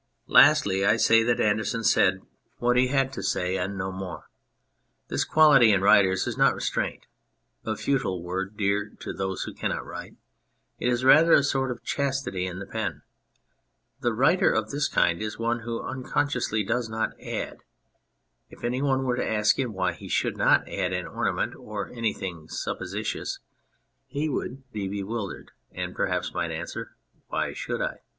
Lastly, I say that Andersen said what he had to 151 On Anything say and no more. This quality in writers is not restraint a futile word dear to those who cannot write it is rather a sort of chastity in the pen. The writer of this kind is one who unconsciously does not add ; if any one were to ask him why he should not add an ornament or anything supposititious, he would be bewildered and perhaps might answer :" Why should I